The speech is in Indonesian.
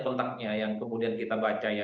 kontaknya yang kemudian kita baca ya